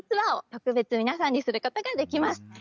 特別に皆さんにすることができます。